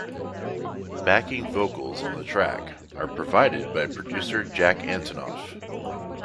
Backing vocals on the track are provided by producer Jack Antonoff.